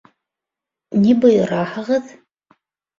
Ни бойораһығыҙ?